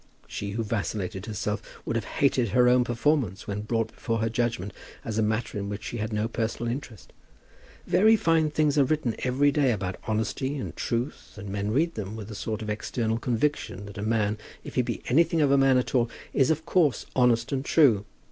She who vacillated herself would have hated her own performance when brought before her judgment as a matter in which she had no personal interest. Very fine things are written every day about honesty and truth, and men read them with a sort of external conviction that a man, if he be anything of a man at all, is of course honest and true.